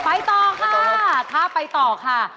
ไปต่อค่ะถ้าไปต่อค่ะ